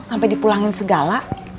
sampai dipulangin segala